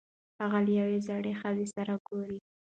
هغه له یوې زړې ښځې سره ګوري.